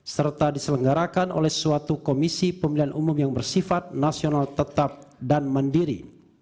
serta diselenggarakan oleh suatu komisi pemilihan umum yang bersifat nasional tetap dan mandiri